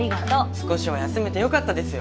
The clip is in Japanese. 少しは休めてよかったですよ。